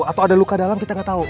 atau ada luka dalam kita nggak tahu